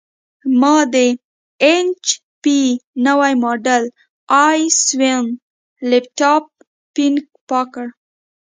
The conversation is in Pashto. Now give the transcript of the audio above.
ما د ایچ پي نوي ماډل ائ سیون لېپټاپ فین پاک کړ.